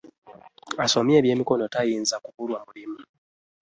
Asomye ebyemikono tayinza kubulwa mulimu.